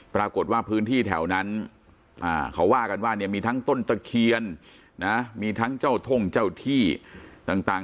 ปรากฏว่าพื้นที่แถวนั้นเขาว่ากันว่าเนี่ยมีทั้งต้นตะเคียนนะมีทั้งเจ้าท่งเจ้าที่ต่าง